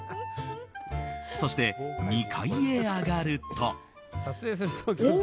そして、２階へ上がると。